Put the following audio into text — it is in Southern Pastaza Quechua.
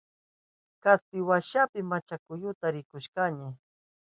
Kaspi washapi machakuyata rikushkani.